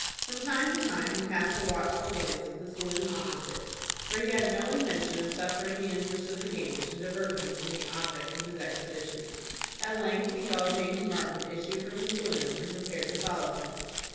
From time to time he cast a watchful glance at the saloon opposite, for he had no intention of suffering the interest of the game to divert him from the object of his expedition. At length he saw James Martin issue from the saloon, and prepared to follow him.